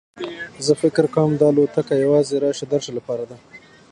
زه فکر کوم دا الوتکه یوازې راشه درشه لپاره ده.